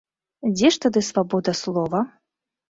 Дзе ж тады свабода слова?